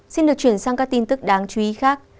xin được chuyển sang các tin tức đáng chú ý khác